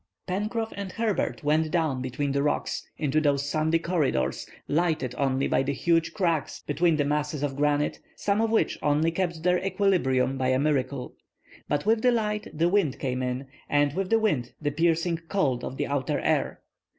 Pencroff and Herbert went down between the rocks, into those sandy corridors, lighted only by the huge cracks between the masses of granite, some of which only kept their equilibrium by a miracle. But with the light the wind came in, and with the wind the piercing cold of the outer air.